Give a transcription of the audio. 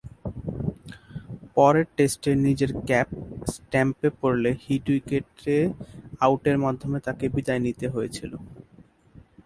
পরের টেস্টে নিজের ক্যাপ স্ট্যাম্পে পড়লে হিট উইকেটে আউটের মাধ্যমে তাকে বিদায় নিতে হয়েছিল।